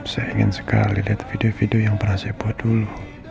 saya ingin sekali lihat video video yang pernah saya buat dulu